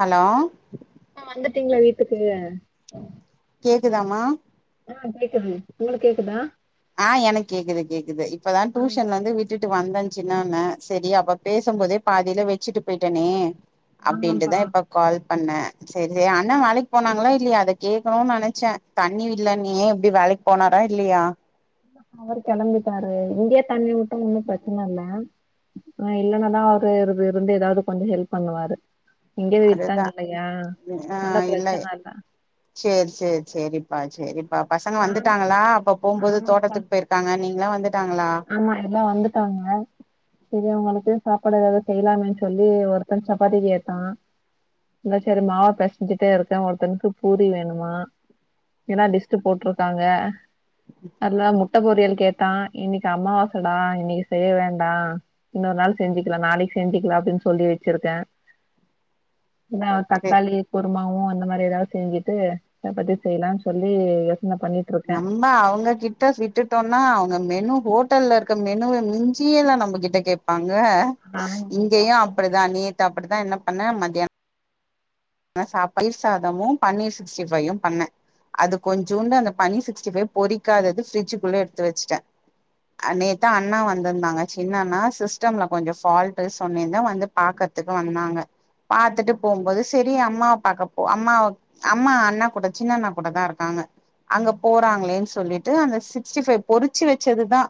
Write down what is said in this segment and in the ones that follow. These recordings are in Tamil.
ஹலோ ஆ வந்துட்டீங்ளா வீட்டுக்கு கேக்குதாமா ஆ கேக்குது உங்குளுக்கு கேக்குதா ஆ எனக்கு கேக்குது கேக்குது இப்பதா ஆ டூஷன்லந்து விட் விட்டுட்டு வந்தே சின்னவன சேரி அப்ப பேசம்போதே பாதில வச்சிட்டு போயிட்டேனே அப்டின்ட்டு ஆமாப்பா தா இப்ப கால் பண்ணே செரி செரி அண்ணா வேலைக்கு போனாங்ளா இல்லையா அத கேக்கணுன் நெனைச்சே தண்ணி இல்லன்னியே எப்டி வேலைக் போனாரா இல்லியா அவரு கெளம்பிட்டாரு இங்கே தண்ணி ஊத்தினா ஒன்னு பிரச்சன இல்ல ஆ இல்லன்னாதா அவரு இ இருந்து எதாவது கொஞ்சோ ஹெல்ப் பண்ணுவாரு இங்கே விட்டாங்க அதுதா இல்லையா நல்லா பிரச்சன இல்ல சேரி சேரி சேரிப்பா சேரிப்பா பசங்க நான் வந்துட்டாங்களா அப்ப போம்போது ஆமாப்பா தோட்டத்துக் போயிரு இருக்காங்க நீங்களா வந்துட்டாங்களா ஆமா எல்லா விஷயங்களும் வந்துட்டாங்க சரி அவுங்களுக்கு சாப்பாடு எதாவது செய்லாமேன் சொல்லி ஒருத்தன் சப்பாத்தி கேட்டா இந்தா செரி மாவ பெசஞ்சுட்டே இருக்கே ஒருத்தனுக்கு பூரி வேணுமா எல்லா லிஸ்ட்டு போட்டிருக்காங்க அதுல்லாம முட்ட பொரியல் கேட்டா இன்னி க்கு அமாவாச டா இன்னைக்கு செய்ய வேண்டா இன்னொரு நாள் செஞ்சிக்கலா நாளைக்கு செஞ்சிக்கலா அப்டின் சொல்லி வச்சிருக்கே இந்தா ஓ செ தக்காளி குருமாவு அந்த மாரி எதாவது செஞ்சுட்டு சப்பாத்தி செய்யலானு சொல்லி யோசன பண்ணி நம் அவங்ககிட்ட விட்டுட்டோனா அவங்க மெனு ஹோட்டல்ல இருக்க மெனுவ மிஞ்சியேதா நம்ம கிட்ட கே இருப்பாங்க ஆமாப்பா. இங்கேயு அப்டிதா நேத்து அப்டிதா என்ன பண்ண மத்யா ன்ன சாப்ப தயிர் சாதமு பன்னீர் சிக்ஸ்டி ஃபையு பண்ணே அது கொஞ்சோண்டு அந்த பன்னீர் சிக்ஸ்டி ஃபை பொறிக்காதது ஃப்ரிட்ஜுக்குள்ள எடுத்து வச்சுட்டே ஆ நேத்தா அண்ணா வந்துருந்தாங்க சின்ன அண்ணா சிஸ்டம்ல கொஞ்சோ ஃபால்ட்டு சொன்னேருந்தே வந்து பாக்கர்துக்கு வந்தாங்க பாத்துட்டு போம்போது து அம்மாவ பாக்கப்போ அம்மாவ அம்மா அண்ணா கூட சின்ன அண்ணா கூட தா இருக்காங்க அங்க போறாங்களேன்னு சொல்லிட்டு அந்த சிக்ஸ்டி ஃபைவ் பொறிச்சு வெச்சதுதா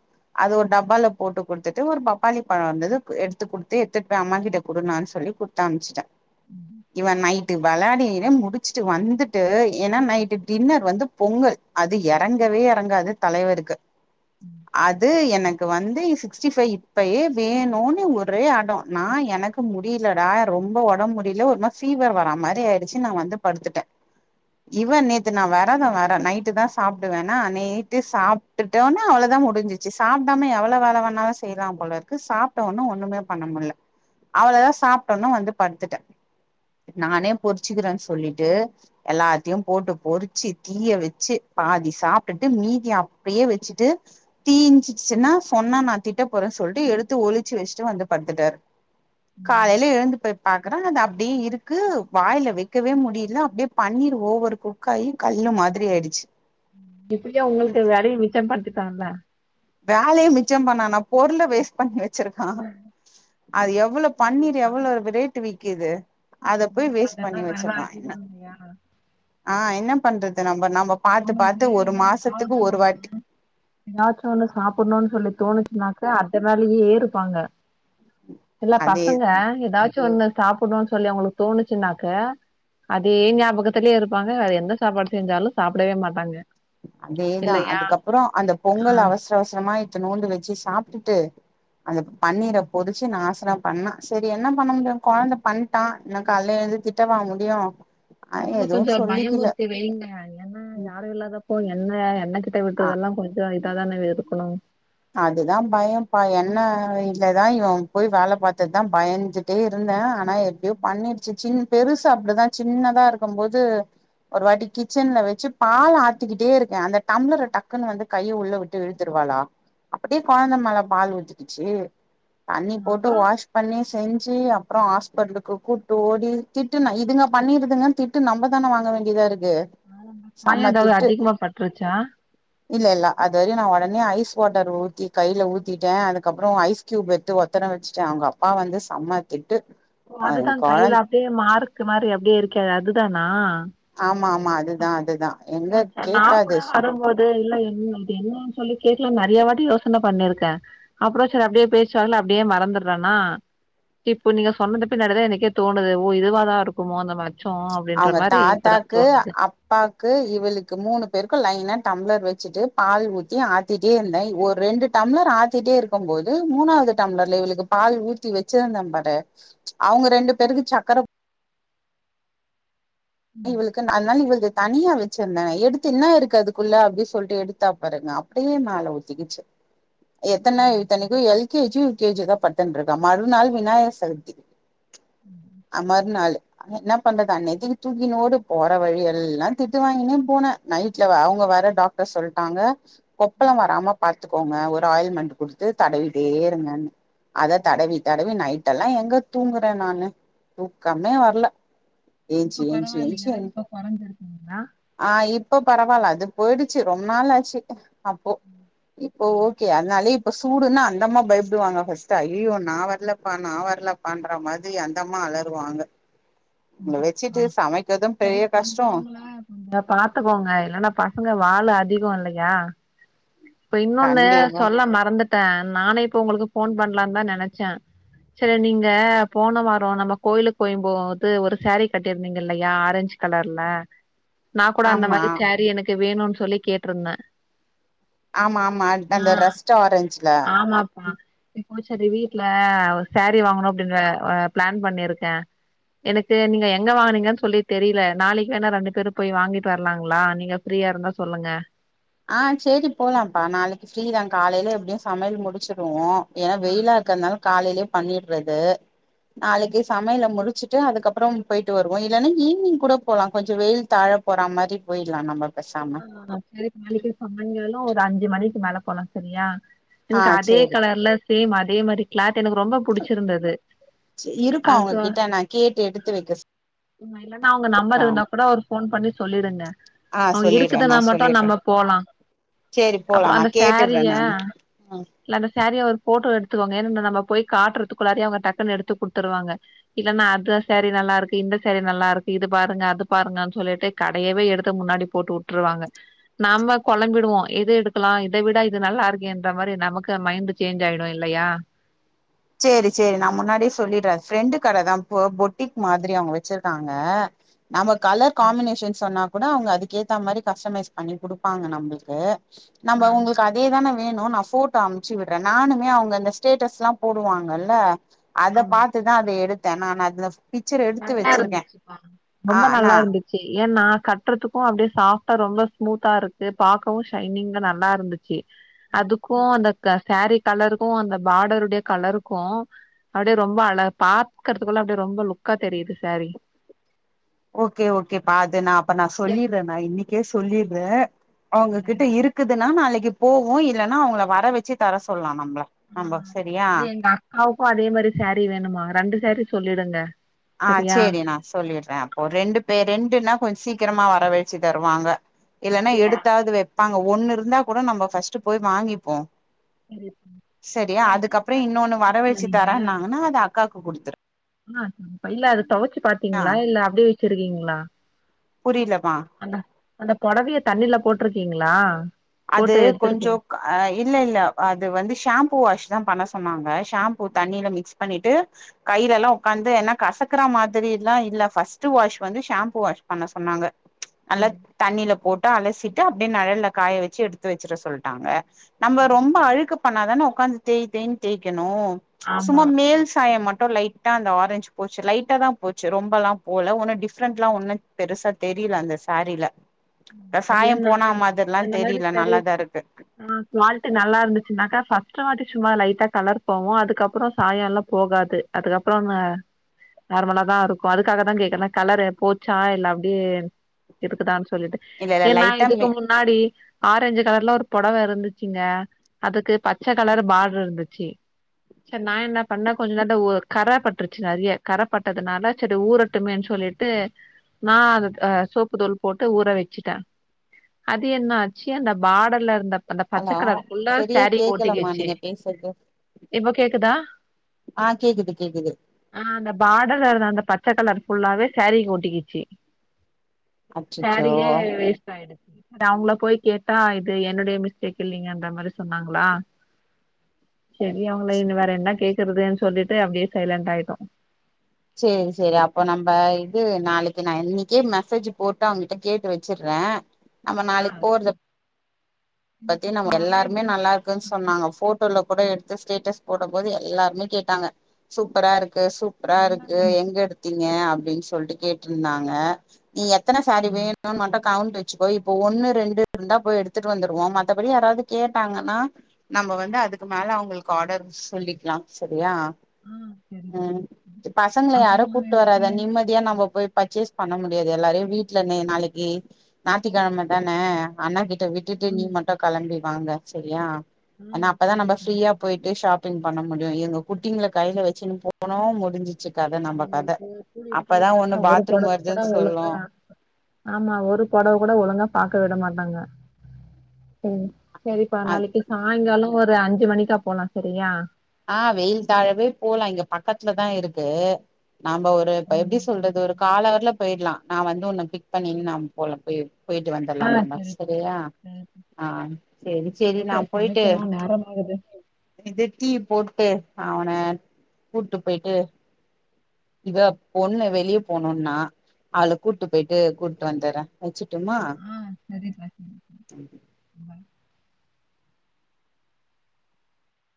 அது ஒரு டப்பால போட்டு குடுத்துட்டு ஒரு பப்பாளி பழோ இருந்துது எடுத்து குடுத்து எத்துட் போய் அம்மா கிட்ட குடுமான் சொல்லி குடு த்தனுப்புச்சுட்டே ம் இவே நைட்டு வெளாடியினே முடிச்சுட்டு வந்துட்டு ஏனா நைட்டு டின்னர் வந்து பொங்கல் அது எறங்கவே எறங்காது தலைவருக்கு அது எனக் வந்து சிக்ஸ்டி ஃபைவ் இப்பயே வேணுனு ஒரே ஆடோ நா எனக்கு மு முடிலடா ரொம்ப ஒடம் முடில ஒருமா ஃபீவர் வரா மாரி ஆயிடுச்சு நா வந்து படுத்துட்டே இவே நேத்து நா வெரதோ வேற நைட்டு தா சாப்டுவேனா நேட்டு சாப் விட்டுட்டோன்னு அவ்ளோதா முடிஞ்சிச்சு சாப்பிடாம எவ்ளோ வேணாலு செய்யலா போல இருக்கு சாப்பிட்டோ ஒடனே ஒண்ணுமே பண்ண முடில அவ்ளோதா சாப்ட்டோன்னே வந்து படுத்துட்டே நானே பொரிச்சுக்கிறேன்னு சொல்லிட்டு எல்லாத்தையு போட்டு பொறிச்சு தீய வெச்சு பாதி சாப்ட்டுட்டு மீதிய அப்டியே வெச்சுட்டு தீஞ்சிட்ச்சுன்னா சொன்னா நா திட்ட போறேன் சொல்ட்டு எடுத்து ஒளிச்சு வச்சுட்டு வந்து படுத்துட்டாரு ம். காலைல எழுந்து போய் பாக்குறே அது அப் அப்டி இருக்கு வாயில வைக்கவே முடியல அப்டியே பன்னீர் ஓவர் குக்காயு கல்லு மாதிரி ஆயிடுச்சு எப்டியோ உங்களுக்கு வேலய மிச்சபடுத்திட்டான்ல வேலைய மிச்சம் பண்ணானா பொருள வேஸ்ட் பண்ணி வச் வச்சிருக்கா அது எவ்ளோ பன்னீர் கண்டிப்பா. எவ்ளோ ரேட்டு விக்குது அத போய் ஆமாப்பா, வேஸ்ட் பண்ணி இதெல்லாம் வேலை வச்சுடுறா என்ன அதிகம் இல்லையா? ஆ என்ன பண்றது நம்ம நம்ம பாத்து அவங்களுக்கு பாத்து ஒரு மாசத்துக்கு ஒரு வாட்டி ஏதாச்சு ஒன்னு சாப்புட்ணுனு சொல்லி தோணுச்சுனாக்க அதுனாலயே இருப்பாங்க சில அதே பசங்க ஏதாச்சு ஒன்னு சாப்புடுனுனு சொல்லி அவுங்களுக்கு தோணுச்சுன்னாக்க அதே ஞாபகத்திலே இருப்பாங்க அது எந்த சாப்பாடு செஞ்சாலு சாப்டவே மாட்டாங்க அதேதா இல்லையா அதுக்கப்றோ அந்த ஆ பொங்கல் அவசர அவசரமாட்டு இத்னனோண்டு வச்சு சாப்ட்டுட்டு அந்த பன்னீர பொரிச்சு நாசரம் பண்ணா சரி என்ன பண்ண முடியு கொழந்த பண் டா என்ன காலைல எழுந்து திட்டவா முடியு அ அவங்கள எதுவு கொஞ்சோ சொல்லிக்கல பயமுர்த்தி வெய்ங்க என்ன யாரு இல்லாதப்ப எண்ண எண்ணக் கட்ட ஆ விட்றதெல்லா கொஞ்சோ இதான இருக்கனு அதுதா பயோ பா எண்ண இல்லதா இவன் போய் வேல பாத்ததுதா பயஞ்சுட்டே இருந்தே ஆ னா எப்டியோ பண்ணிருச்சு சின் பெருசு அப்டிதா சின்னதா இருக்கும்போது ஒரு வாட்டி கிச்சன்ல வெச்சு பால் ஆத்திக்கிட்டே இருக்கே அந்த டம்ளர் டக்குன்னு வந்து கைய உள்ள விட்டு இழுத்துருவாளா அப்டியே கொழந்த மேல பால் ஊத்திக்கிச்சி தண்ணி போட்டு அப்றோ வாஷ் பண்ணி செஞ்சி அப்றோ ஹாஸ்பிட்லுக்கு கூட்டு ஓடி திட்டுனா இதுங்க பண்ணிருதுங்க திட் திட்டு நம்ம தான வாங்க வேண்டியதா இருக்கு காய செம ஏதாது திட்டு அதிகமா பட்டுருச்சா இல்ல இல்ல அது வறியு நா உடனே ஐஸ் வாட்டர் ஊத்தி கையில ஊத்திட்ட அதுக்கப்ற ஐஸ் கியூப் எடுத்து ஒத்தனோ வச்சுட்ட அவுங்க அப்பா வந்து செம்ம திட்டு ஓ அ அதுதா கையில கொழந் அப்டியே மார்க்கு மாரி அப்டியே இருக்கே அதுதானா ஆமா ஆமா அதுதா அதுதா எங்க கேக்காது சு அது இல்ல என்ன அது என்னன்னு சொல்லி கேக்லான்னு நெறைய வாட்டி யோசனை பண்ணியிருக்க அப்றோ சார் அப்டியே பேசுவாக்ள அப்டியே மறந்துடுறனா இப்போ நீங்க சொன்னது பின்னாடிதா எனக்கே தோனுது ஓ இதுவாதா இருக்குமோ அந்த மா ச்சோ அப்டின்ற மாரி இப்பதா தோணுது ப்பாக்கு இவளுக்கு மூணு பேருக்கு லைனா டம்ளர் வச்சுட்டு பால் ஊத்தி ஆத் த்திட்டே இருந்தன் ஒரு ரெண்டு டம்ளர் ஆத்திட்டே இருக்கும்போது மூணாவது டம்ளர்ல இவளுக்கு பால் ஊ ஊத்தி வச்சிருந்தே பாரு அவுங்க ரெண்டு பேருக்கு சக்கர தி ம் இவளுக்கு அதுனால இவளுக்கு தனியா வச்சிருந்தே எடுத்து என்ன இருக்கு அதுக்குள்ள அப்டின்னு சொல்ட்டு எடுத்தா பாருங்க அப்டியே மேல ஒத்திகிச்சு எத்தன இத்தனைக்கு எல் கே ஜியோ யுகேஜியோதா படித்துன்னு இருக்கா மறுநாள் விநாயகர் சதுர்த்தி அ மர்நாள் என்னா பண்றது அன் நெதில் தூக்கினோடு போற வழி எல்லா திட்டு வாங்கினே போன நைட்ல அவுங்க வர டாக்டர் சொல்ட்டாங்க கொப்பளம் வராம பாத்துக்கோங்க ஒரு ஆயில் மண்டு குடுத்து தடவிட்டே இருங்கன்னு அத தடவி தடவி நைட்டெல்லா எங்க தூங்கற நானு தூக்கமே வர்ல இப்ப பரவாயில்லையா இப்ப கொறஞ்சிருக்குங்ளா ஆ இப்ப பரவால்ல அது போயிடுச்சு ரொம்ப நாள் ஆச்சு அப்போ இப்போ ஓகே அதுனாலயே இப்ப சூடுன்னா அந்த அம்மா பயப்படுவாங்க ஃபர்ஸ்ட் அய்யய்யோ நா வர்லப்பா நா வர்லப்பான்ற மாரி தே அந்தம்மா அலருவாங்க உங்கள வச்சுட்டு சமைக்கிறதும் பெரிய கஷ்டோ அ பாத்துக்கோங்க இல்லன்னா பசங்க வாலு அதிகொம் இல்லையா அப்றொ இன்னொன்னு கண்டிப்பா சொல்ல மறந்துட்டே நானு இப்ப உங்களுக்கு ஃபோன் பண்லான்னு தா நெனைச்சே சரி நீங்க போன வாரோ நம்ப கோயிலுக்கு போயும் போ து ஒரு சேரீ கட்டிருந்தீங்க இல்லையா ஆரஞ்ச் கலர்ல நா கூட அந்த ஆமா மாரி சேரீ எனக்கு வேணுன் சொல்லி கேட்ருந்தே ஆமா ஆமா அட்அந்த ரஸ்ட் ஆரஞ்ச்ல ஆமாப்பா இப்போ சரி வீட்ல ஒரு சாரீ வாங்கணு அப்டின்ற அ பிளான் பண்ணிருக்கே எனக்கு நீங்க எங்க வாங்கனீங்கன்னு சொல்லித் தெரியில நாளைக்கு வேணா ரெண்டு பேரும் போய் வாங்கிட்டு வரலாங்களா நீங்க ஃப்ரீயா இருந்தா சொல்லுங்க ஆ சேரி போலாம்ப்பா நாளைக்கு ஃப்ரீதா காலையில எப்டியு சமையல் முடிச்சுடுவோ ஏன்னா ஆ வெயிலா இருக்குறனாலே காலையிலயே பண்ணிர்றது நாளைக்கு சரி சமையல முடிச்சுட் ட்டு அதுக்கப்புறம் போயிட்டு வருவோ இல்லன்னா ஈவினிங் கூட போலா கொஞ்சொ வெயில் தாழப் போறா மாதிரி போயிடலா நம்ப பேசாம ஆ சரி நாளைக்கு சாயங்காலம் ஒரு அஞ்சு மணிக்கு மேலப் போலா சரியா ஆ எனக்கு அதே சேரி கலர்ல சேம் அதே மாரி கிளாத் எனக்கு ரொம்ப புடிச்சிருந்தது இருக்கு அது அவங்ககிட்ட நா கேட்டு எடுத்து வைக்க இல்லன்னா அவுங்க சொல்ற நம்பர் இருந்தா கூட ஒரு ஃபோன் பண்ணி சொல்லிருங்க ஆ சொல்லிர்றே நா சொல்லிர்றே சேரி போலா அப்றோ நா அந்த கேட்டுர்றே சாரிய நானு ஆ இல்ல அந்த சாரிய ஒரு ஃபோட்டோ எடுத்துக்கோங்க ஏன்னா ந நம்ம போய் காட்டுறதுக்குள்ளாரயே அவுங்க டக்குனு எடுத்துக் குடுத்துருவாங்க இல்லன்னா அந்த சேரீ நல்லா இருக்கு இந்த சேரீ நல்லா இருக்கு இது பாருங்க அது பாருங்கன்னு சொல்லிட்டு கடையவே எடுத்து முன்னாடி போட்டு வுட்ருவாங்க நம்ம கொழம்பிடுவோ எது எடுக்கலா இத விட இது நல்லா இருக்கேன்ற மாரி நமக்கு மைண்டு சேஞ்ச் ஆயிடு இல்லையா சேரி சேரி நா முன்னாடியே சொல்லிடுறே ஃப்ரெண்டு கட தா போ பொட்டிக் மாதிரி அவுங்க வச்சிருக்காங்க நம்ம கலர் சரிப்பா காம்பினேஷன் சொன்னாக் கூட அவுங்க அதுக்கு ஏத்த மாரி கஸ்டமைஸ் பண்ணி குடுப்பாங்க நம்மளுக்கு நம்ப உங்களுக்கு அதேதானே வேணும் நான் ஃபோட்டோ அன்ப்ச்சு விட்றே நானுமே அவுங்க அந்த ஸ்டேட்டஸ்ல்லா போடுவாங்கல்ல அத பாத்துதா அத எடுத்தே நான் அதுல நல்லா இருந்துச்சுப்பா ஆ ரொம்ப நல்லா நா இருந்தது ஏன்னா கட்றதுக்கும் அப்பிடியே சாஃப்டா ரொம்ப ஸ்மூத்தா இருக்கு பாக்கவு ஷைனிங்கா நல்லா இருந்துச் ச்சு அதுக்கும் அந்த க சாரி கலருக்கும் அந்த பார்டருடைய கலருக்கும் அப்டியே ரொம்ப அழ பாக்கிறதுதுக்குள்ள அப்டி ரொம்ப லுக்கா தெரியுது சாரீ ஓகே ஒகேப்பா அது நா அப்ப நா சொல்லிறே நா இன்னைக்கே சொல்லிறே அவங்ககிட்ட இருக்குதுனா நாளைக்கு போவோ இல்லைன்னா அவங்கள வர வச்சு தர சொல்லா நம்ப நம்ப சரியா அவக்கு அதே மாரி சேரீ வேணுமா ரெண்டு சேரீ சொல்லிடுங்க ஆ சரியா சேரி நா சொல்லிறே அப்போ ரெண்டு பேர் ரெண்டுன்னா கொஞ் சீக்கிரமா வரவழச்சு தருவாங்க இல்லன்னா அப்டியா எடுத்தாவது வப்பாங்க ஒன்னு இருந்தாக் கூட நம்ம ஃபஸ்ட்டு போய் வாங்கிப்போ சரி செரியா அது அதுக்கப்புற தண்ணில இன்னோன்னு போட்டீங்களா வரவழச்சி நீங்க தரேன்னாங்கன்னா அது அக்காக்கு குடுத்துரு இல்ல அத தொவச்சு ஆ பாத்தீங்களா இல்ல அப்பிடியே வச்சிருக்கீங்களா புரியலம்மா அந்த அந்த பொடவைய தண்ணில போட்ருக்கீங்களா அது போட்டு எடுத்துருக்கீங் கொஞ்சொம் க ஆ இல்லல்ல அது வந்து ஷாம்பூ வாஷ் தான் பண்ண சொன்னாங்க ஷாம்பூ தண்ணியில மிக்ஸ் பண்ணிட்டு கையில எல்லா உக்காந்து ஏன்னா கசக்குற மாதிரி எல்லா இல்ல என்ன ஃபஸ்ட்டு வாஷ் வந்து ஷாம்பு வாஷ் பண்ண சொன்னாங்க நல்லா ம் தண்ணியில போட்டு அலசிட்டு அப்டியே நெழல்ல காய வச்சு எடுத்து வச்சிட சொல்லிட்டாங்க நம்ம ரொம்ப அழுக்கு பண்ணாதான ஒக்காந்து தேய் தேய்னு தேய்கணு சும்மா ஆமா மேல் சாயோ மட்டு லைட் தா அந்த ஆரஞ்சு போச்சு லைட்டா தா போச்சு ரொம்பல்லா போல ஒன்னு டிஃப்ரெண்ட்லா ஒன்னு பெருசா தெரில அந்த சாரீல அந்த சாயம் சரியான போனா மாதிரில்லா இந்த மாரி சரி ஆ குவாலிட்டி நல்லா இருந்துச்சுனாக்கா ஃபஸ்ட்டு வாட்டி சும்மா லைட்டா கலர் போவோ அதுக்கப்பறோ சாயோல்லா போகாது அதுக்கப்றோங்க நார்மலா தா இருக்கோ அதுக்காக தா கேட்டோ கலரு போச்சா இல்லா அப்புடியே இதுக்குதானு சொல்லிட்டு இல்ல இல்ல ஏன்னா லைட்டா இதுக்கு மே முன்னாடி ஆரஞ்சு கலர்ல ஒரு புடவ இருந்துச்சுங்க அதுக்கு பச்ச கலர் பாடர் இருந்துச்சு சேரி நா என்ன பண்ணே கொஞ்ச நேர்ல ஊ கர பட்டுருச்சு நறையா கர பட்டதுனால சேரி ஊரட்டுமேனு சொல்லிட் டு நா அத அ சோப்பு தூள் போட்டு ஊற வைத் சிட்டேன் அது என்ன ஆச்சு அந்த பார்டர்ல இருந்த அந்த ஹலோ பச்சக்கலர் ஃபுல்லா சரியா சேரீக்கு கேக்கலமா ஒட்டிக்கீச்சு நீங்க பேசுறது இப்ப கேக்குதா ஆ கேக்குது கேக்குது ஆ அந்த பார்டர்ல இருந்த அந்த பச்ச கலர் ஃபுல்லாவே சேரீக்கி ஒட்டிக்கிச்சு அச்சச்சோ சாரீயே வேஸ்ட் ஆயிடுது இந்த அவுங்கள போய் கேட்டா இது என்னுடைய மிஸ்டேக் இல்லீங்க அந்த மாரி சொன்னாங்களா சேரி அவுங்கள இனி வேற என்ன கேக்குறதுனு சொல்லிட்டு அப்டியே சைலண்ட் ஆயிட்டோ சேரி சேரி அப்போ நம்ப இது நாளைக்கி நா இன்னிக்கே மெசேஜ் போட்டு அவுங்கட்ட கேட்டு வச்சுறே நம்ம நாளைக்கு போறது பத்தி நமக்கு எல்லாருமே நல்லா இருக்குன்னு சொன்னாங்க போ தோல்ல போட்டத எடுத்து ஸ்டேட்டஸ் போடு போது எல்லாருமே கேட்டாங்க சூப்பரா இருக்கு சூப்பரா இருக் எங்க எடுத்தீங்க அப்டினு சொல்லிட்டு கேட்டிருந்தாங்க நீ எத்தன சேரி ஆ வேணு மட்டு கவுண்ட வச்சுக்கோ இப்போ ஒன்னு ரெண்டு இருந்தா போய் எடுத்துட்டு வந்துருவோ மத்தபடி யாராது கேட்டாங்கன்னா நம்ம வந்து அதுக்கு மேல அவுங்களுக்கு ஆர்டர் சொல்லிக்கலா சரியா ஆ சரிப்பா. ஆ பசங்கள யாரு அப்புறம் கூப்புட்டு எனக்கு வராத நீ மட் இப்டியே நம்ம போய் பர்ச்சேஸ் பண்ண முடியாது எல்லாரயு வீட்டுல இர் நீ நாளைக்கி ஞாத்திக்கெழம தான அண்ணன் கிட்ட விட் விட்டுட்டு நீ ஆமா மட்டு கிளம்பி வாங்க செரியா ஆ ஆனா அப்பதா நம்ம சரிப்பா. ஃப்ரீயா போயிட் இப்டியே ஷாப்பிங் பண்ண முடியு எங்க குட்டிங்கள கையில வச்சுனு போனோ முடிஞ்ச் ச்சி கத நம்ம கத அவங்களுக்கு கூட்டிட்டு அப்பதா போயிட்டாக்கா ஒன்னு ஒரு பாத்ரூம் புடவை கூட வருதுன்னு சொல்லு ஒழுங்கா ஆமா ஒரு புடவ கூட ஒழுங்கா பாக்க விட மாட்டாங்க ம் செரிப்பா அ நாளைக்கு சாய்ங்காலோ ஒரு அஞ்சு மணிக்கா போலா செரியா ஆ வெயில் தாழவே போலா இங்க பக்கத்துல தா இருக்கு நாம்ப ஒரு இப்ப எப்டி ம் சரி சொல்றது ஒரு சரி கால் அவர்ல போயிடலா நா வந்து உன்ன பிக் பண்ணின்னு நாம் போலா போய் போயிட்டு ஆ வந்துருலா நம்ம சரிப்பா செரியா சரிப்பா. ஆ சேரி சேரி நா ஓகே போய்ட்டு சமைக்கணும் நேரமாகுது. இது டீ போட்டு அவனை கூட்டு போயிட்டு இதோ பொண்ணு வெளிய போனுன்னா அவள கூட்டு போயிட்டு கூட்டு வந்துறே வச்சுட்டுமா ஆ செரி செரி இருந்தாலு